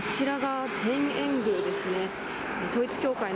あちらが天苑宮ですね。